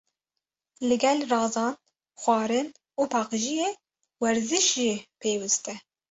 Li gel razan, xwarin û paqijiyê, werzîş jî pêwîst e.